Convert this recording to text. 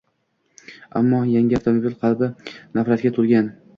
Ammo yangi avlod qalbi nafratga to‘lgan